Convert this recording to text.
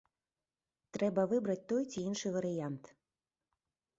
Трэба выбраць той ці іншы варыянт.